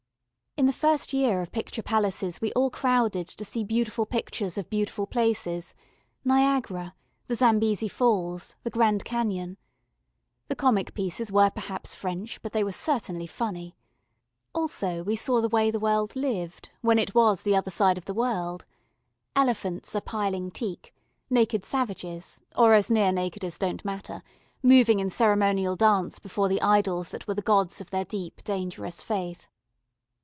In the first year of Picture Palaces we all crowded to see beautiful pictures of beautiful places: Niagara, the Zambesi Falls, the Grand Cañon. The comic pieces were perhaps French, but they were certainly funny. Also we saw the way the world lived, when it was the other side of the world: "Elephants a piling teak," naked savages, or as near naked as don't matter, moving in ceremonial dance before the idols that were the gods of their deep dangerous faith.